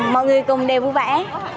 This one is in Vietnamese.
mọi người cùng đều vui vẻ hạnh phúc bên nhà tết